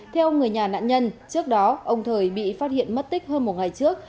theo người nhà nạn nhân trước đó ông thời bị phát hiện mất tích hơn một ngày trước